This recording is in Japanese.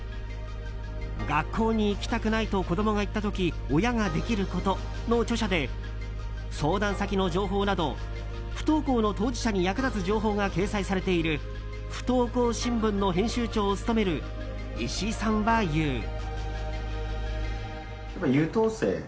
「『学校に行きたくない』と子どもが言ったとき親ができること」の著者で相談先の情報など不登校の当事者に役立つ情報が掲載されている不登校新聞の編集長を務める石井さんは言う。